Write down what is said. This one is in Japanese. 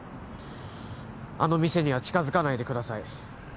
あの店には近づかないでください